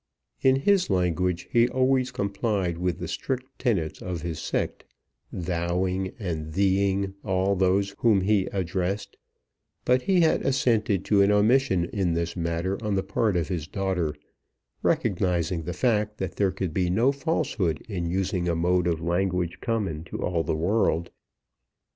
In his language he always complied with the strict tenets of his sect, "thou ing" and "thee ing" all those whom he addressed; but he had assented to an omission in this matter on the part of his daughter, recognizing the fact that there could be no falsehood in using a mode of language common to all the world.